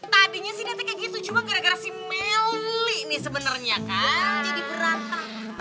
tadinya sih nanti kayak gitu cuma gara gara si meli nih sebenernya kan jadi berantak